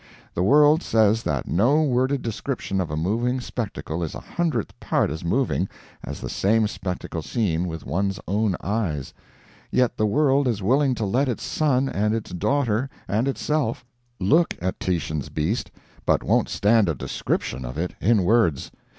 The world says that no worded description of a moving spectacle is a hundredth part as moving as the same spectacle seen with one's own eyes yet the world is willing to let its son and its daughter and itself look at Titian's beast, but won't stand a description of it in words.